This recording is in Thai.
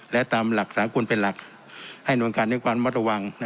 และตามหลักษากลเป็นหลักให้โน้นการในความมัตตวัง